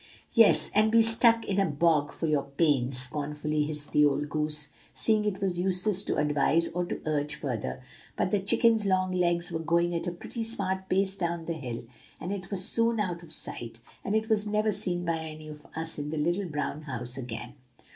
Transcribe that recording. "'Yes! and be stuck in a bog for your pains!' scornfully hissed the old goose, seeing it was useless to advise or to urge further; but the chicken's long legs were going at a pretty smart pace down the hill, and it was soon out of sight, and it was never seen by any of us in The Little Brown House again."